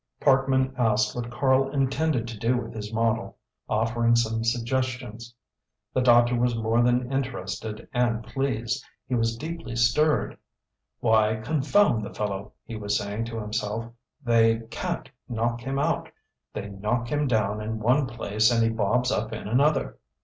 Parkman asked what Karl intended to do with his model, offering some suggestions. The doctor was more than interested and pleased; he was deeply stirred. "Why, confound the fellow," he was saying to himself, "they can't knock him out! They knock him down in one place, and he bobs up in another!"